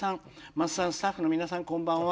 「まっさんスタッフの皆さんこんばんは」。